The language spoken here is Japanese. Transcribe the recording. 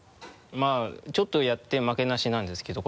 まぁちょっとやって負けなしなんですけど。